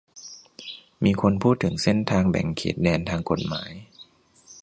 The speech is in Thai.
มีคนพูดถึงเส้นแบ่งเขตแดนทางกฎหมาย